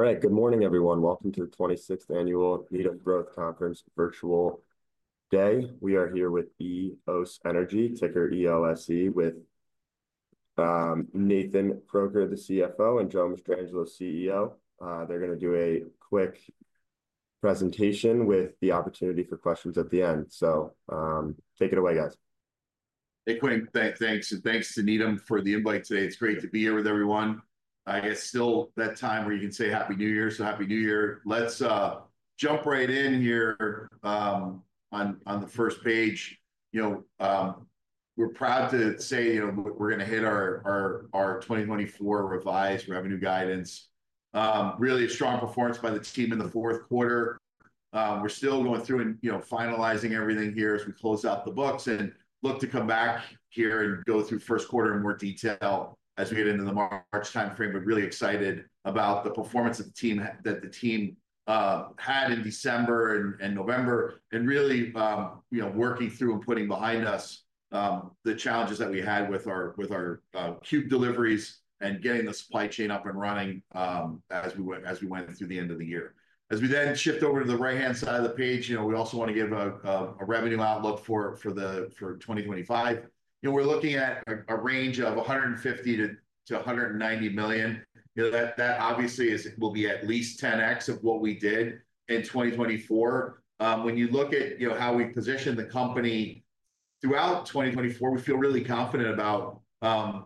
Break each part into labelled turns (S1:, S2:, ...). S1: All right, good morning, everyone. Welcome to the 26th Annual Needham Growth Conference Virtual Day. We are here with Eos Energy, ticker EOSE, with Nathan Kroeker, the CFO, and Joe Mastrangelo, CEO. They're going to do a quick presentation with the opportunity for questions at the end. So take it away, guys.
S2: Hey, Quinn, thanks. And thanks to Needham for the invite today. It's great to be here with everyone. I guess still that time where you can say happy New Year. So happy New Year. Let's jump right in here on the first page. You know, we're proud to say, you know, we're going to hit our 2024 revised revenue guidance. Really a strong performance by the team in the fourth quarter. We're still going through and finalizing everything here as we close out the books and look to come back here and go through first quarter in more detail as we get into the March timeframe. But really excited about the performance that the team had in December and November, and really, you know, working through and putting behind us the challenges that we had with our Cube deliveries and getting the supply chain up and running as we went through the end of the year. As we then shift over to the right-hand side of the page, you know, we also want to give a revenue outlook for 2025. You know, we're looking at a range of $150 million-$190 million. You know, that obviously will be at least 10x of what we did in 2024. When you look at, you know, how we positioned the company throughout 2024, we feel really confident about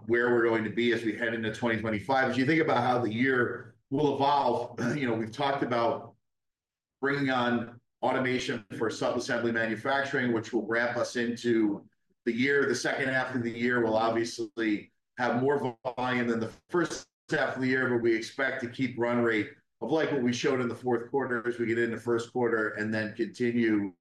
S2: where we're going to be as we head into 2025. As you think about how the year will evolve, you know, we've talked about bringing on automation for sub-assembly manufacturing, which will ramp us into the year. The second half of the year will obviously have more volume than the first half of the year, but we expect to keep run rate of like what we showed in the fourth quarter as we get into the first quarter and then continue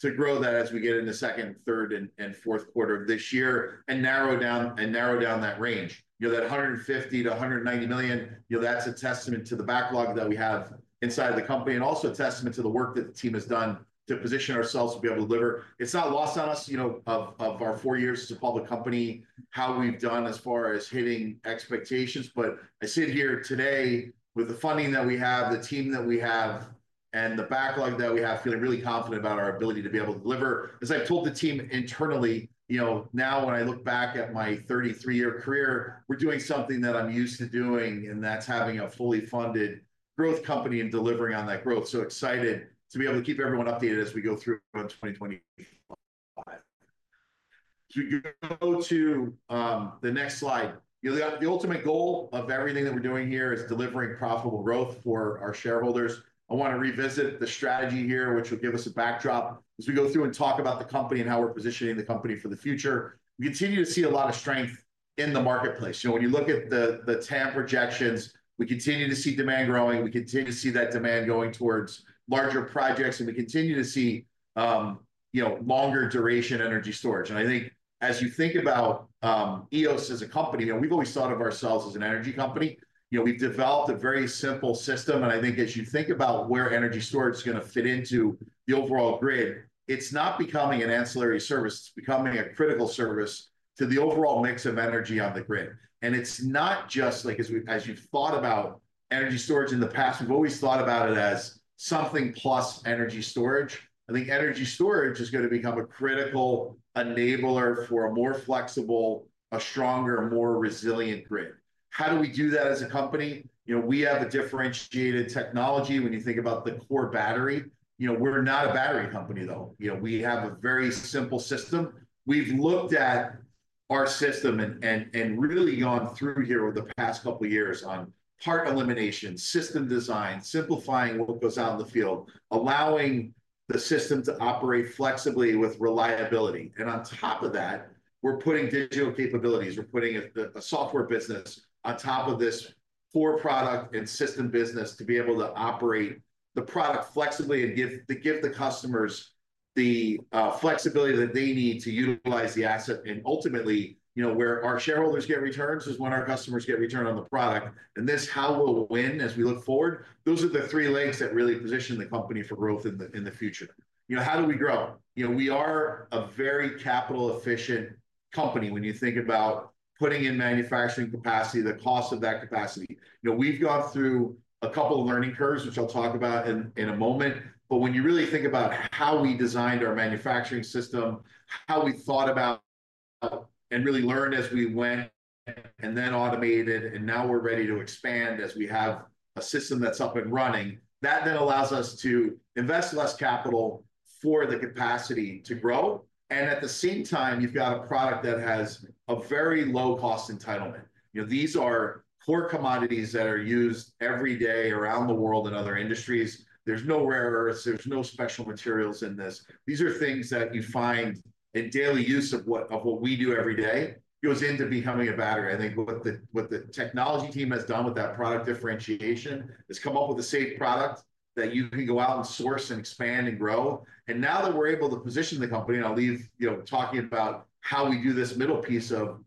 S2: to grow that as we get into the second, third, and fourth quarter of this year and narrow down that range. You know, that $150 million-$190 million, you know, that's a testament to the backlog that we have inside of the company and also a testament to the work that the team has done to position ourselves to be able to deliver. It's not lost on us, you know, of our four years as a public company, how we've done as far as hitting expectations. But I sit here today with the funding that we have, the team that we have, and the backlog that we have, feeling really confident about our ability to be able to deliver. As I've told the team internally, you know, now when I look back at my 33-year career, we're doing something that I'm used to doing, and that's having a fully funded growth company and delivering on that growth. So excited to be able to keep everyone updated as we go through in 2025. So we go to the next slide. You know, the ultimate goal of everything that we're doing here is delivering profitable growth for our shareholders. I want to revisit the strategy here, which will give us a backdrop as we go through and talk about the company and how we're positioning the company for the future. We continue to see a lot of strength in the marketplace. You know, when you look at the TAM projections, we continue to see demand growing. We continue to see that demand going towards larger projects, and we continue to see, you know, longer duration energy storage, and I think as you think about Eos as a company, you know, we've always thought of ourselves as an energy company. You know, we've developed a very simple system, and I think as you think about where energy storage is going to fit into the overall grid, it's not becoming an ancillary service. It's becoming a critical service to the overall mix of energy on the grid. It's not just like as you've thought about energy storage in the past. We've always thought about it as something plus energy storage. I think energy storage is going to become a critical enabler for a more flexible, a stronger, more resilient grid. How do we do that as a company? You know, we have a differentiated technology. When you think about the core battery, you know, we're not a battery company, though. You know, we have a very simple system. We've looked at our system and really gone through here over the past couple of years on part elimination, system design, simplifying what goes out in the field, allowing the system to operate flexibly with reliability, and on top of that, we're putting digital capabilities. We're putting a software business on top of this core product and system business to be able to operate the product flexibly and give the customers the flexibility that they need to utilize the asset, and ultimately, you know, where our shareholders get returns is when our customers get returns on the product, and this is how we'll win as we look forward. Those are the three legs that really position the company for growth in the future. You know, how do we grow? You know, we are a very capital-efficient company when you think about putting in manufacturing capacity, the cost of that capacity. You know, we've gone through a couple of learning curves, which I'll talk about in a moment. But when you really think about how we designed our manufacturing system, how we thought about and really learned as we went and then automated, and now we're ready to expand as we have a system that's up and running, that then allows us to invest less capital for the capacity to grow. And at the same time, you've got a product that has a very low cost entitlement. You know, these are core commodities that are used every day around the world in other industries. There's no rare earths. There's no special materials in this. These are things that you find in daily use of what we do every day goes into becoming a battery. I think what the technology team has done with that product differentiation is come up with a safe product that you can go out and source and expand and grow. And now that we're able to position the company, and I'll leave, you know, talking about how we do this middle piece of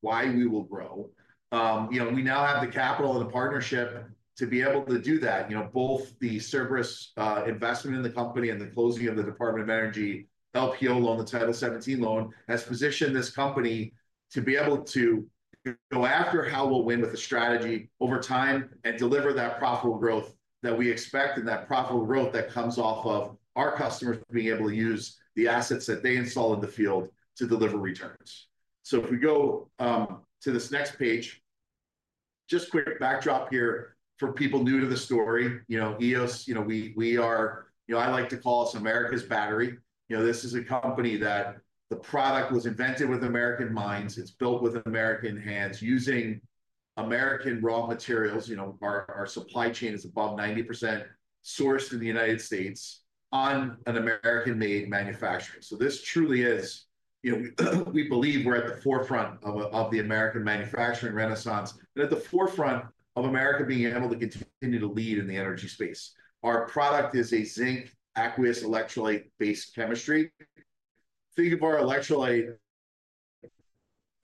S2: why we will grow, you know, we now have the capital and the partnership to be able to do that. You know, both the Cerberus investment in the company and the closing of the Department of Energy LPO loan, the Title 17 loan, has positioned this company to be able to go after how we'll win with the strategy over time and deliver that profitable growth that we expect and that profitable growth that comes off of our customers being able to use the assets that they install in the field to deliver returns. So if we go to this next page, just quick backdrop here for people new to the story. You know, Eos, you know, we are, you know, I like to call us America's battery. You know, this is a company that the product was invented with American minds. It's built with American hands using American raw materials. You know, our supply chain is above 90% sourced in the United States on an American-made manufacturer. So this truly is, you know, we believe we're at the forefront of the American manufacturing renaissance and at the forefront of America being able to continue to lead in the energy space. Our product is a zinc aqueous electrolyte-based chemistry. Think of our electrolyte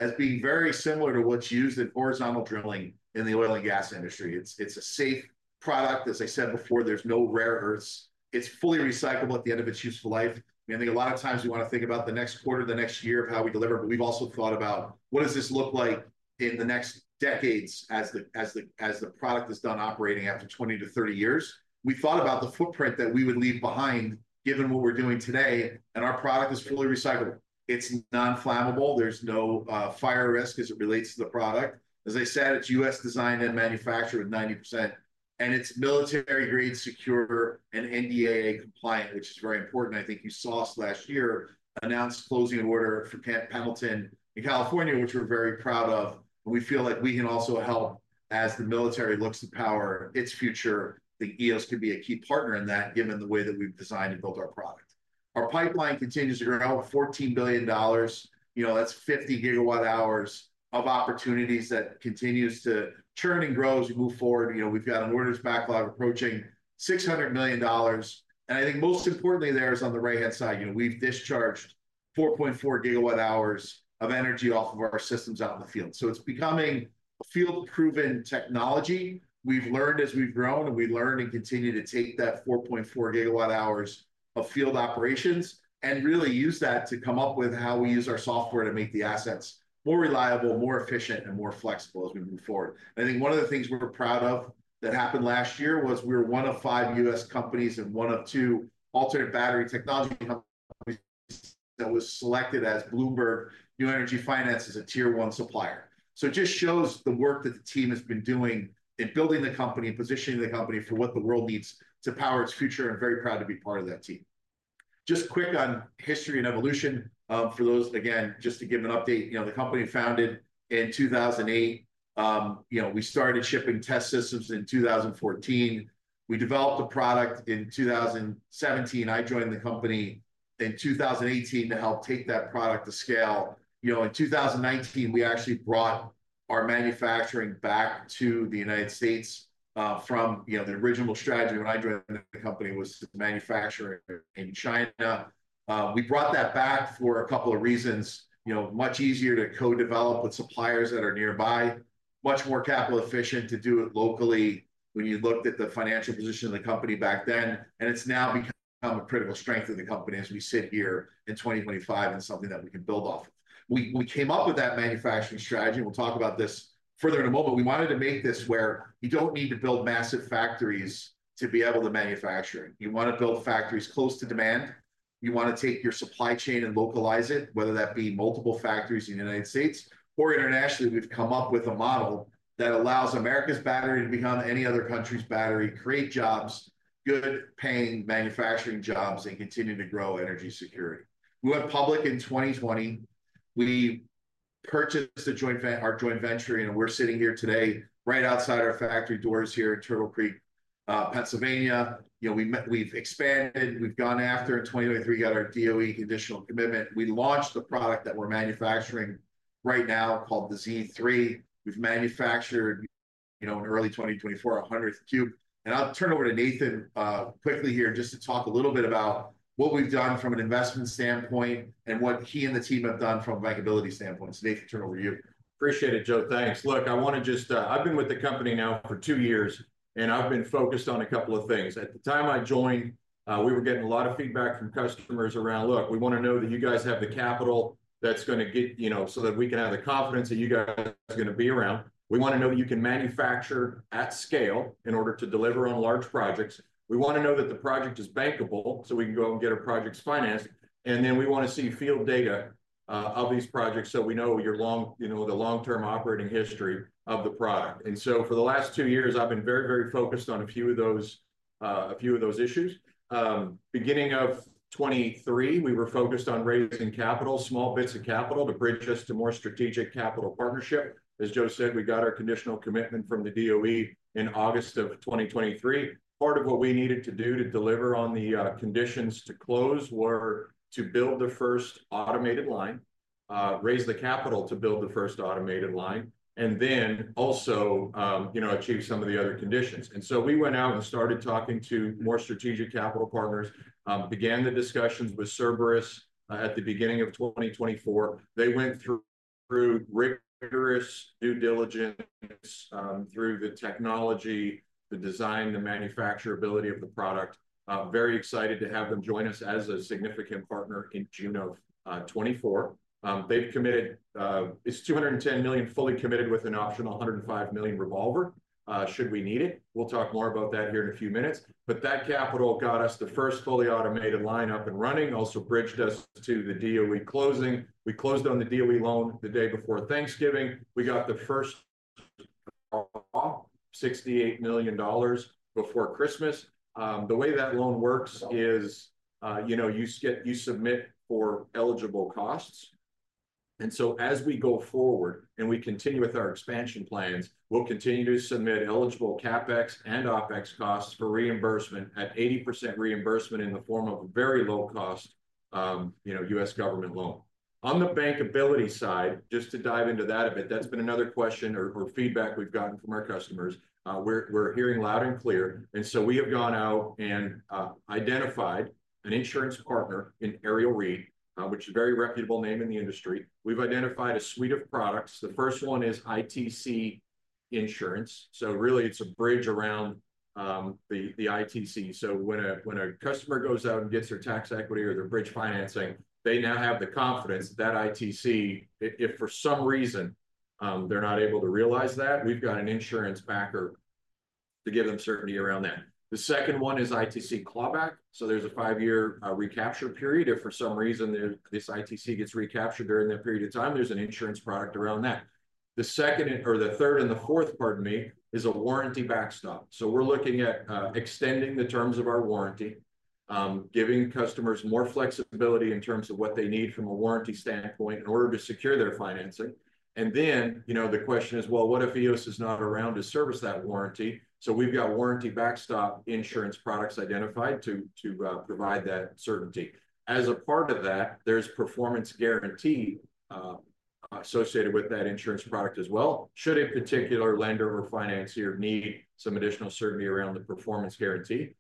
S2: as being very similar to what's used in horizontal drilling in the oil and gas industry. It's a safe product. As I said before, there's no rare earths. It's fully recyclable at the end of its useful life. I think a lot of times we want to think about the next quarter, the next year of how we deliver. But we've also thought about what does this look like in the next decades as the product is done operating after 20 to 30 years. We thought about the footprint that we would leave behind given what we're doing today. And our product is fully recyclable. It's non-flammable. There's no fire risk as it relates to the product. As I said, it's U.S. designed and manufactured with 90%. And it's military-grade, secure, and NDAA compliant, which is very important. I think you saw us last year announce closing an order for Camp Pendleton in California, which we're very proud of. And we feel like we can also help as the military looks to power its future. I think Eos could be a key partner in that given the way that we've designed and built our product. Our pipeline continues to grow, $14 billion. You know, that's 50 GWh of opportunities that continues to churn and grow as we move forward. You know, we've got an orders backlog approaching $600 million. And I think most importantly there is on the right-hand side, you know, we've discharged 4.4 GWh of energy off of our systems out in the field. So it's becoming a field-proven technology. We've learned as we've grown and we learned and continue to take that 4.4 GWh of field operations and really use that to come up with how we use our software to make the assets more reliable, more efficient, and more flexible as we move forward. I think one of the things we're proud of that happened last year was we were one of five U.S. companies and one of two alternate battery technology companies that was selected by Bloomberg New Energy Finance as a Tier 1 supplier. So it just shows the work that the team has been doing in building the company and positioning the company for what the world needs to power its future. I'm very proud to be part of that team. Just quick on history and evolution for those, again, just to give an update. You know, the company was founded in 2008. You know, we started shipping test systems in 2014. We developed a product in 2017. I joined the company in 2018 to help take that product to scale. You know, in 2019, we actually brought our manufacturing back to the United States from, you know, the original strategy when I joined the company was manufacturing in China. We brought that back for a couple of reasons. You know, much easier to co-develop with suppliers that are nearby, much more capital efficient to do it locally when you looked at the financial position of the company back then, and it's now become a critical strength of the company as we sit here in 2025 and something that we can build off of. We came up with that manufacturing strategy. We'll talk about this further in a moment. We wanted to make this where you don't need to build massive factories to be able to manufacture. You want to build factories close to demand. You want to take your supply chain and localize it, whether that be multiple factories in the United States or internationally. We've come up with a model that allows America's battery to become any other country's battery, create jobs, good-paying manufacturing jobs, and continue to grow energy security. We went public in 2020. We purchased our joint venture, and we're sitting here today right outside our factory doors here in Turtle Creek, Pennsylvania. You know, we've expanded. We've gone after in 2023, got our DOE Conditional Commitment. We launched the product that we're manufacturing right now called the Z3. We've manufactured, you know, in early 2024, 100th Cube, and I'll turn over to Nathan quickly here just to talk a little bit about what we've done from an investment standpoint and what he and the team have done from a bankability standpoint, so Nathan, turn over to you.
S3: Appreciate it, Joe. Thanks. Look, I want to just, I've been with the company now for two years, and I've been focused on a couple of things. At the time I joined, we were getting a lot of feedback from customers around, look, we want to know that you guys have the capital that's going to get, you know, so that we can have the confidence that you guys are going to be around. We want to know that you can manufacture at scale in order to deliver on large projects. We want to know that the project is bankable so we can go out and get our projects financed. And then we want to see field data of these projects so we know your long, you know, the long-term operating history of the product. And so for the last two years, I've been very, very focused on a few of those, a few of those issues. Beginning of 2023, we were focused on raising capital, small bits of capital to bridge us to more strategic capital partnership. As Joe said, we got our conditional commitment from the DOE in August of 2023. Part of what we needed to do to deliver on the conditions to close were to build the first automated line, raise the capital to build the first automated line, and then also, you know, achieve some of the other conditions. And so we went out and started talking to more strategic capital partners, began the discussions with Cerberus at the beginning of 2024. They went through rigorous due diligence through the technology, the design, the manufacturability of the product. Very excited to have them join us as a significant partner in June of 2024. They've committed, it's $210 million fully committed with an optional $105 million revolver should we need it. We'll talk more about that here in a few minutes. But that capital got us the first fully automated line up and running, also bridged us to the DOE closing. We closed on the DOE loan the day before Thanksgiving. We got the first draw, $68 million before Christmas. The way that loan works is, you know, you submit for eligible costs. And so as we go forward and we continue with our expansion plans, we'll continue to submit eligible CapEx and OpEx costs for reimbursement at 80% reimbursement in the form of a very low-cost, you know, U.S. government loan. On the bankability side, just to dive into that a bit, that's been another question or feedback we've gotten from our customers. We're hearing loud and clear. And so we have gone out and identified an insurance partner in Ariel Re, which is a very reputable name in the industry. We've identified a suite of products. The first one is ITC insurance. So really, it's a bridge around the ITC. So when a customer goes out and gets their tax equity or their bridge financing, they now have the confidence that ITC, if for some reason they're not able to realize that, we've got an insurance backer to give them certainty around that. The second one is ITC clawback. So there's a five-year recapture period. If for some reason this ITC gets recaptured during that period of time, there's an insurance product around that. The second or the third and the fourth, pardon me, is a warranty backstop. So we're looking at extending the terms of our warranty, giving customers more flexibility in terms of what they need from a warranty standpoint in order to secure their financing. And then, you know, the question is, well, what if Eos is not around to service that warranty? So we've got warranty backstop insurance products identified to provide that certainty. As a part of that, there's performance guarantee associated with that insurance product as well. Should a particular lender or financier need some additional certainty around the performance guarantee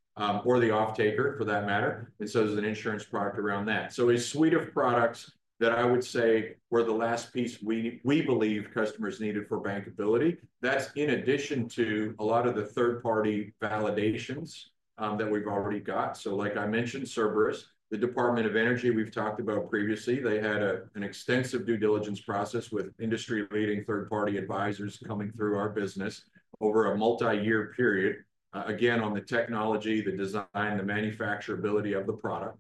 S3: or the off-taker for that matter, there's an insurance product around that. So a suite of products that I would say were the last piece we believe customers needed for bankability. That's in addition to a lot of the third-party validations that we've already got. So like I mentioned, Cerberus, the Department of Energy we've talked about previously, they had an extensive due diligence process with industry-leading third-party advisors coming through our business over a multi-year period, again, on the technology, the design, the manufacturability of the product.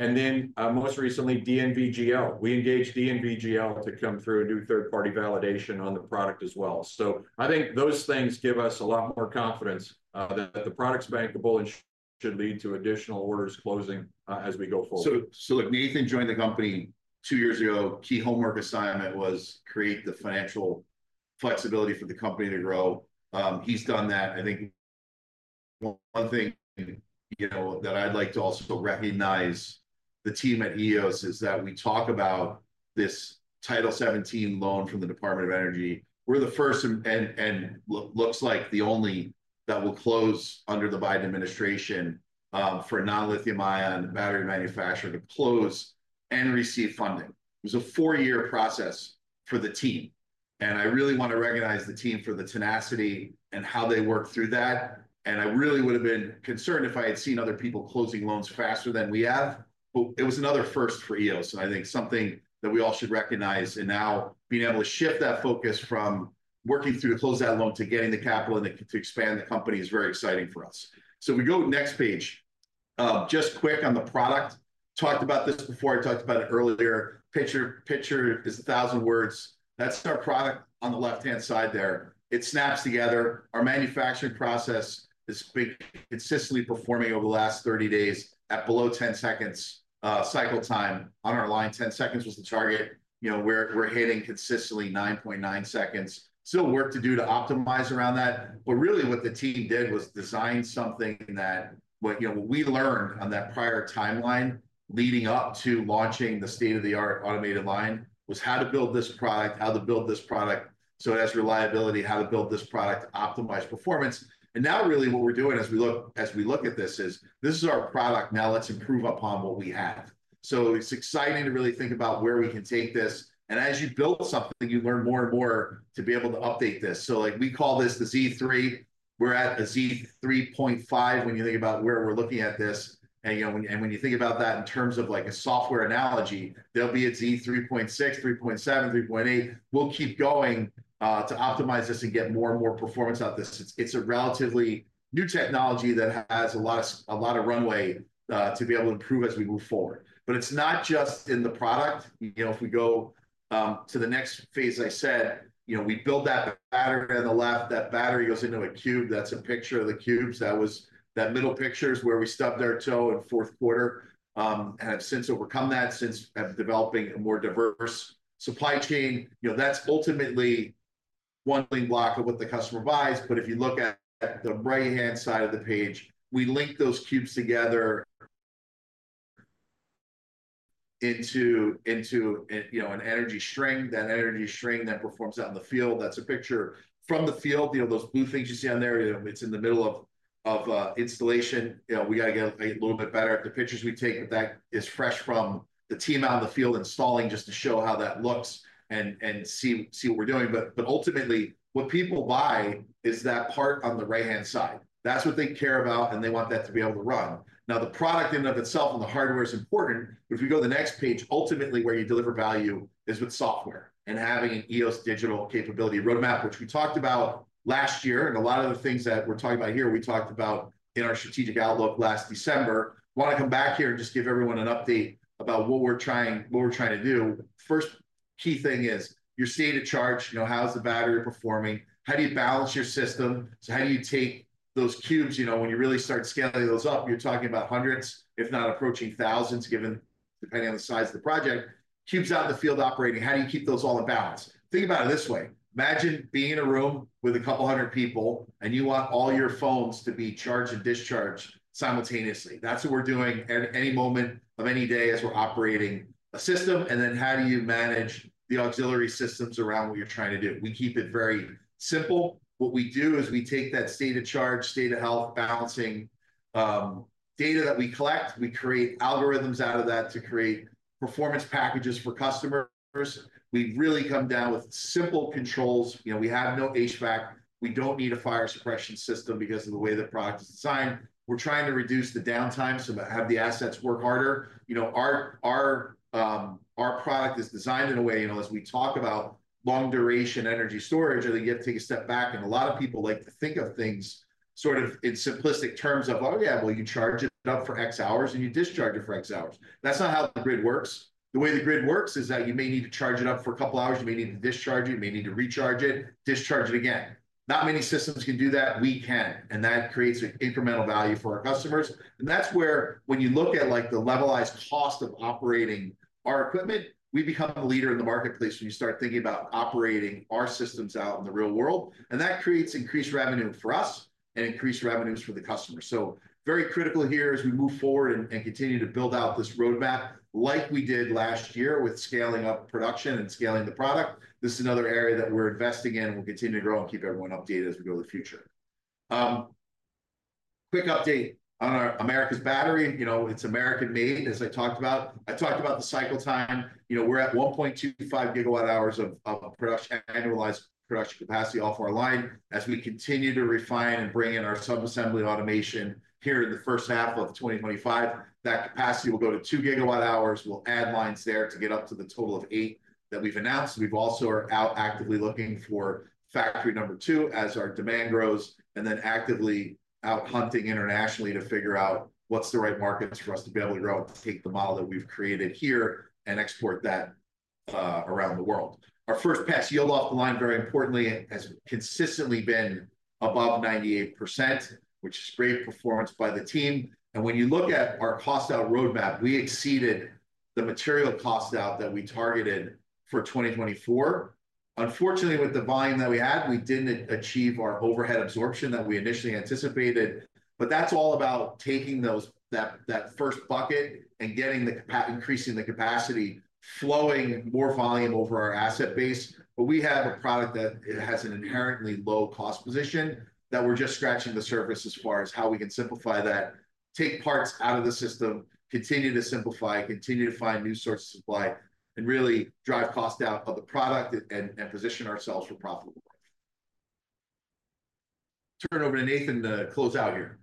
S3: And then most recently, DNV GL. We engaged DNV GL to come through and do third-party validation on the product as well. So I think those things give us a lot more confidence that the product's bankable and should lead to additional orders closing as we go forward.
S2: So look, Nathan joined the company two years ago. Key homework assignment was create the financial flexibility for the company to grow. He's done that. I think one thing, you know, that I'd like to also recognize the team at Eos is that we talk about this Title 17 loan from the Department of Energy. We're the first, and looks like the only, that will close under the Biden administration for non-lithium-ion battery manufacturer to close and receive funding. It was a four-year process for the team, and I really want to recognize the team for the tenacity and how they worked through that, and I really would have been concerned if I had seen other people closing loans faster than we have, but it was another first for Eos, and I think something that we all should recognize, and now being able to shift that focus from working through to close that loan to getting the capital and to expand the company is very exciting for us, so we go to the next page. Just quick on the product. Talked about this before. I talked about it earlier. Picture is a thousand words. That's our product on the left-hand side there. It snaps together. Our manufacturing process has been consistently performing over the last 30 days at below 10 seconds cycle time on our line. 10 seconds was the target. You know, we're hitting consistently 9.9 seconds. Still work to do to optimize around that. But really what the team did was design something that, you know, what we learned on that prior timeline leading up to launching the state-of-the-art automated line was how to build this product, how to build this product so it has reliability, how to build this product to optimize performance, and now really what we're doing as we look at this is this is our product. Now let's improve upon what we have, so it's exciting to really think about where we can take this, and as you build something, you learn more and more to be able to update this, so like we call this the Z3. We're at a Z3.5 when you think about where we're looking at this, and you know, and when you think about that in terms of like a software analogy, there'll be a Z3.6, Z3.7, Z3.8. We'll keep going to optimize this and get more and more performance out of this. It's a relatively new technology that has a lot of runway to be able to improve as we move forward, but it's not just in the product. You know, if we go to the next phase, I said, you know, we build that battery on the left. That battery goes into a Cube. That's a picture of the Cubes. That was, that middle picture is where we stubbed our toe in fourth quarter, and I've since overcome that since I'm developing a more diverse supply chain. You know, that's ultimately one link block of what the customer buys. But if you look at the right-hand side of the page, we link those Cubes together into, you know, an energy string. That energy string then performs out in the field. That's a picture from the field. You know, those blue things you see on there, you know, it's in the middle of installation. You know, we got to get a little bit better at the pictures we take, but that is fresh from the team out in the field installing just to show how that looks and see what we're doing. But ultimately, what people buy is that part on the right-hand side. That's what they care about, and they want that to be able to run. Now, the product in and of itself and the hardware is important. But if you go to the next page, ultimately where you deliver value is with software and having an Eos Digital Capability Roadmap, which we talked about last year. And a lot of the things that we're talking about here, we talked about in our strategic outlook last December. Want to come back here and just give everyone an update about what we're trying to do. First key thing is your state of charge. You know, how's the battery performing? How do you balance your system? So how do you take those Cubes? You know, when you really start scaling those up, you're talking about hundreds, if not approaching thousands, given depending on the size of the project. Cubes out in the field operating, how do you keep those all in balance? Think about it this way. Imagine being in a room with a couple hundred people, and you want all your phones to be charged and discharged simultaneously. That's what we're doing at any moment of any day as we're operating a system, and then how do you manage the auxiliary systems around what you're trying to do? We keep it very simple. What we do is we take that state of charge, state of health, balancing data that we collect. We create algorithms out of that to create performance packages for customers. We really come down with simple controls. You know, we have no HVAC. We don't need a fire suppression system because of the way the product is designed. We're trying to reduce the downtime so that have the assets work harder. You know, our product is designed in a way, you know, as we talk about long-duration energy storage, I think you have to take a step back, and a lot of people like to think of things sort of in simplistic terms of, oh yeah, well, you charge it up for X hours and you discharge it for X hours. That's not how the grid works. The way the grid works is that you may need to charge it up for a couple hours. You may need to discharge it. You may need to recharge it, discharge it again. Not many systems can do that. We can. And that creates an incremental value for our customers. That's where when you look at like the levelized cost of operating our equipment, we become a leader in the marketplace when you start thinking about operating our systems out in the real world. That creates increased revenue for us and increased revenues for the customers. Very critical here as we move forward and continue to build out this roadmap like we did last year with scaling up production and scaling the product. This is another area that we're investing in and we'll continue to grow and keep everyone updated as we go to the future. Quick update on our American battery. You know, it's American-made, as I talked about. I talked about the cycle time. You know, we're at 1.25 GWh of annualized production capacity off our line. As we continue to refine and bring in our sub-assembly automation here in the first half of 2025, that capacity will go to two GWh. We'll add lines there to get up to the total of eight that we've announced. We are also out actively looking for factory number two as our demand grows and then actively out hunting internationally to figure out what's the right markets for us to be able to grow and take the model that we've created here and export that around the world. Our first pass yield off the line, very importantly, has consistently been above 98%, which is great performance by the team, and when you look at our cost out roadmap, we exceeded the material cost out that we targeted for 2024. Unfortunately, with the volume that we had, we didn't achieve our overhead absorption that we initially anticipated. But that's all about taking those that first bucket and getting the increasing capacity, flowing more volume over our asset base. But we have a product that has an inherently low cost position that we're just scratching the surface as far as how we can simplify that, take parts out of the system, continue to simplify, continue to find new sources of supply, and really drive cost out of the product and position ourselves for profitable growth. Turn it over to Nathan to close out here.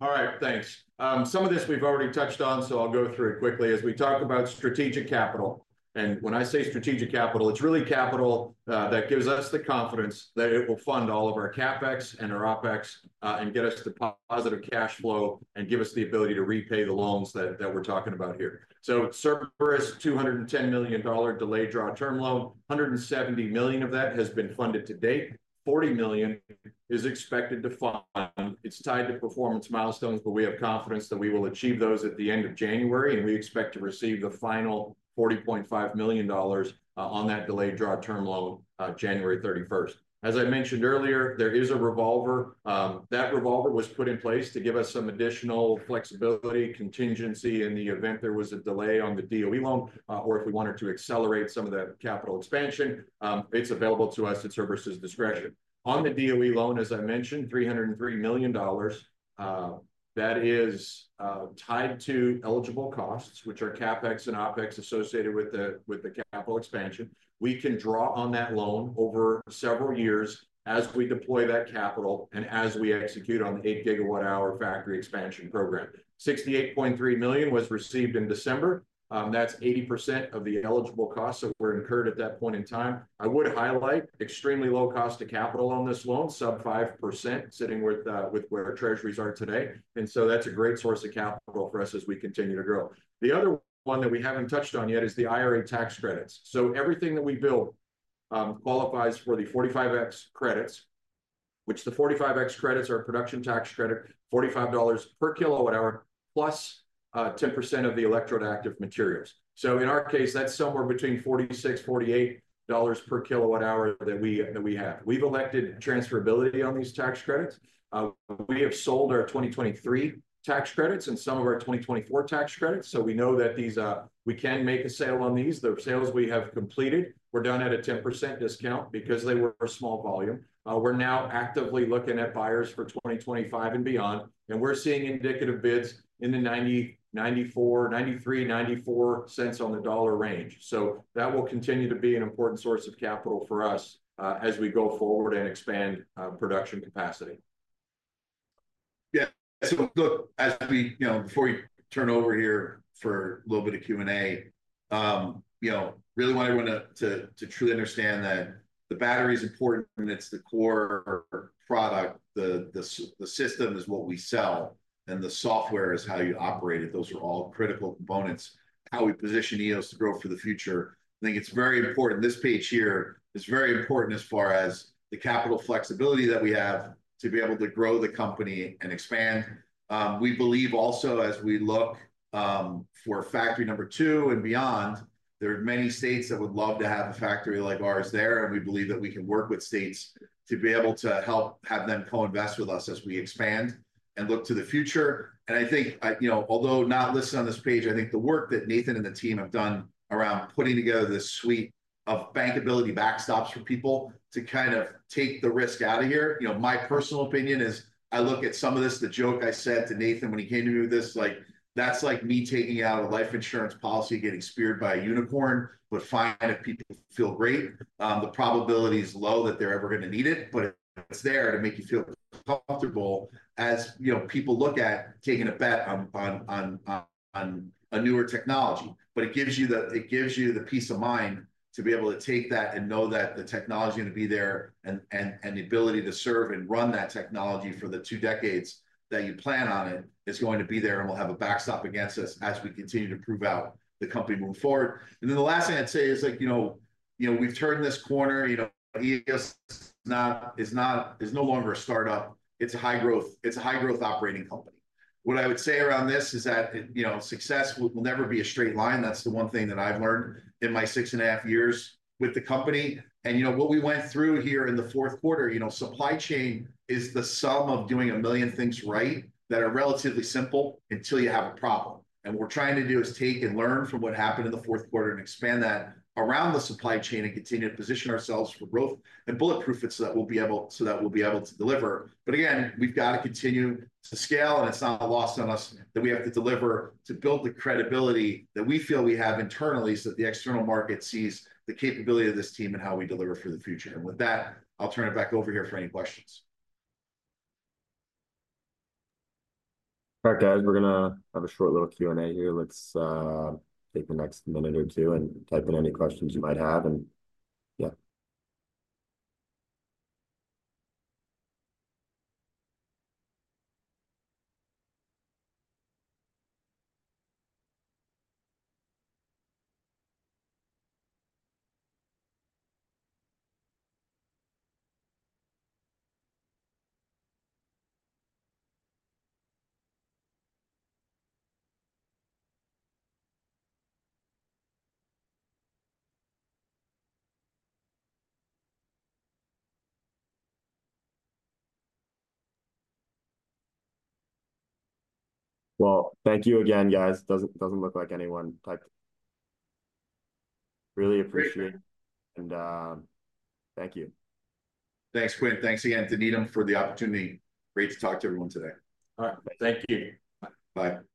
S3: All right, thanks. Some of this we've already touched on, so I'll go through it quickly as we talk about strategic capital. And when I say strategic capital, it's really capital that gives us the confidence that it will fund all of our CapEx and our OpEx and get us the positive cash flow and give us the ability to repay the loans that we're talking about here. So Cerberus, $210 million delayed draw term loan, $170 million of that has been funded to date. $40 million is expected to fund. It's tied to performance milestones, but we have confidence that we will achieve those at the end of January. And we expect to receive the final $40.5 million on that delayed draw term loan January 31st. As I mentioned earlier, there is a revolver. That revolver was put in place to give us some additional flexibility, contingency in the event there was a delay on the DOE loan or if we wanted to accelerate some of that capital expansion. It's available to us at Cerberus's discretion. On the DOE loan, as I mentioned, $303 million. That is tied to eligible costs, which are CapEx and OpEx associated with the capital expansion. We can draw on that loan over several years as we deploy that capital and as we execute on the eight GWh factory expansion program. $68.3 million was received in December. That's 80% of the eligible costs that were incurred at that point in time. I would highlight extremely low cost of capital on this loan, sub 5% sitting with where treasuries are today, and so that's a great source of capital for us as we continue to grow. The other one that we haven't touched on yet is the IRA tax credits. Everything that we build qualifies for the 45X credits, which the 45X credits are a production tax credit, $45 per kWh plus 10% of the electrode active materials. In our case, that's somewhere between $46-$48 per kWh that we have. We've elected transferability on these tax credits. We have sold our 2023 tax credits and some of our 2024 tax credits. We know that we can make a sale on these. The sales we have completed, we're done at a 10% discount because they were a small volume. We're now actively looking at buyers for 2025 and beyond. We're seeing indicative bids in the $0.93-$0.94 on the dollar range. That will continue to be an important source of capital for us as we go forward and expand production capacity.
S2: Yeah. So look, as we, you know, before we turn over here for a little bit of Q&A, you know, really want everyone to truly understand that the battery is important and it's the core product. The system is what we sell and the software is how you operate it. Those are all critical components. How we position Eos to grow for the future. I think it's very important. This page here is very important as far as the capital flexibility that we have to be able to grow the company and expand. We believe also as we look for factory number two and beyond, there are many states that would love to have a factory like ours there, and we believe that we can work with states to be able to help have them co-invest with us as we expand and look to the future. I think, you know, although not listed on this page, I think the work that Nathan and the team have done around putting together this suite of bankability backstops for people to kind of take the risk out of here. You know, my personal opinion is I look at some of this, the joke I said to Nathan when he came to me with this, like that's like me taking out a life insurance policy getting speared by a unicorn, but fine if people feel great. The probability is low that they're ever going to need it, but it's there to make you feel comfortable as, you know, people look at taking a bet on a newer technology. But it gives you the peace of mind to be able to take that and know that the technology is going to be there and the ability to serve and run that technology for the two decades that you plan on it is going to be there and we'll have a backstop against us as we continue to prove out the company moving forward. And then the last thing I'd say is like, you know, we've turned this corner, you know, Eos is no longer a startup. It's a high growth operating company. What I would say around this is that, you know, success will never be a straight line. That's the one thing that I've learned in my six and a half years with the company. And you know, what we went through here in the fourth quarter, you know, supply chain is the sum of doing a million things right that are relatively simple until you have a problem. And what we're trying to do is take and learn from what happened in the fourth quarter and expand that around the supply chain and continue to position ourselves for growth and bulletproof it so that we'll be able, so that we'll be able to deliver. But again, we've got to continue to scale and it's not lost on us that we have to deliver to build the credibility that we feel we have internally so that the external market sees the capability of this team and how we deliver for the future. And with that, I'll turn it back over here for any questions.
S1: All right, guys, we're going to have a short little Q&A here. Let's take the next minute or two and type in any questions you might have. And yeah. Well, thank you again, guys. Doesn't look like anyone typed. Really appreciate it. And thank you.
S2: Thanks, Quinn. Thanks again to Needham for the opportunity. Great to talk to everyone today.
S3: All right. Thank you. Bye.